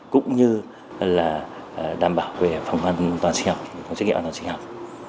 cũng như là đảm bảo về phòng xét nghiệm an toàn sinh học